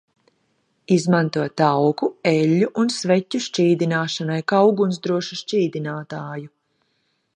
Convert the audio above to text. Izmanto tauku, eļļu un sveķu šķīdināšanai kā ugunsdrošu šķīdinātāju.